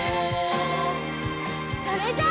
それじゃあ。